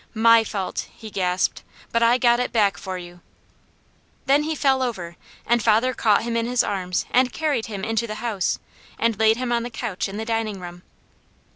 "My fault!" he gasped. "But I got it back for you." Then he fell over and father caught him in his arms and carried him into the house, and laid him on the couch in the dining room.